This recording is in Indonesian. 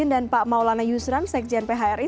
dan pak maulana yusram sekjen phri